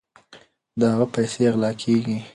د هغه پیسې غلا کیږي.